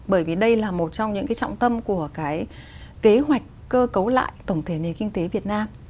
bởi vì đây là một trong những cái trọng tâm của cái kế hoạch cơ cấu lại tổng thể nền kinh tế việt nam